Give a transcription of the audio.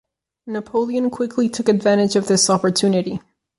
Napoleon quickly took advantage of this opportunity.